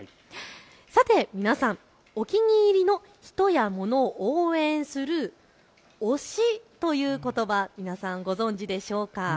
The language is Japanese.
さて皆さん、お気に入りの人やものを応援する推しということば、皆さん、ご存じでしょうか。